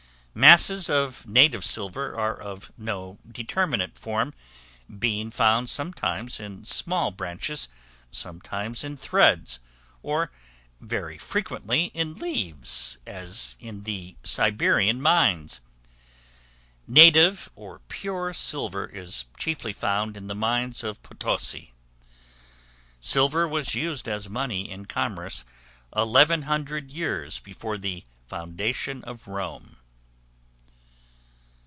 Masses of native silver are of no determinate form; being found sometimes in small branches, sometimes in threads, or very frequently in leaves, as in the Siberian mines. Native, or pure silver is chiefly found in the mines of Potosi. Silver was used as money in commerce 1100 years before the foundation of Rome.